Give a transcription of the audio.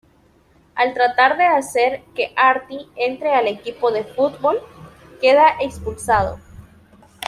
Al tratar de hacer que Artie entre al equipo de football, queda expulsado.